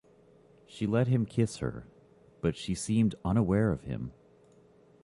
She let him kiss her, but she seemed unaware of him.